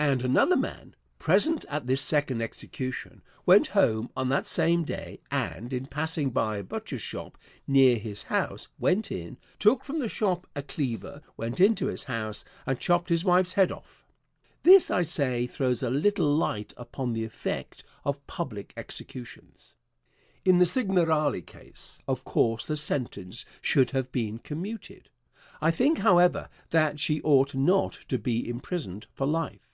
And another man, present at this second execution, went home on that same day, and, in passing by a butcher shop near his house, went in, took from the shop a cleaver, went into his house and chopped his wife's head off. This, I say, throws a little light upon the effect of public executions. In the Cignarale case, of course the sentence should have been commuted. I think, however, that she ought not to be imprisoned for life.